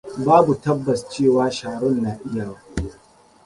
Babu tabbas cewa Sharon na iyawa.